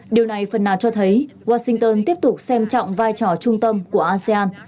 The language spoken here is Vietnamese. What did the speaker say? điều này phần nào cho thấy washington tiếp tục xem trọng vai trò trung tâm của asean